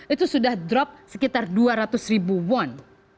itu sudah drop sekitar dua ratus ribu won